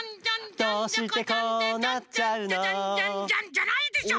ジャンジャカジャンジャンじゃないでしょ！